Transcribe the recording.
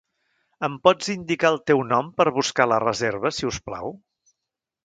Em pots indicar el teu nom per buscar la reserva, si us plau?